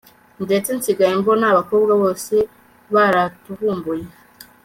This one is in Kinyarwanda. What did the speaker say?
ndetse nsigaye mbona abakobwa bose baratuvumbuye